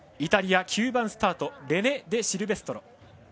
イタリアの９番スタートレネ・デシルベストロ。